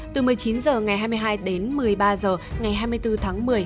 từ một mươi chín h ngày hai mươi hai đến một mươi ba h ngày hai mươi bốn tháng một mươi